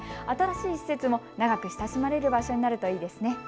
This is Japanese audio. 新しい施設も長く親しまれる場所になるといいですね。